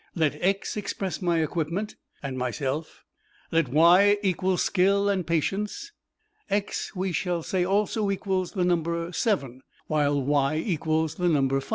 Let x express my equipment and myself, let y equal skill and patience; x we shall say also equals the number 7, while y equals the number 5.